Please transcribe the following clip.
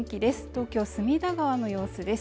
東京隅田川の様子です